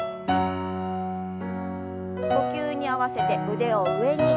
呼吸に合わせて腕を上に。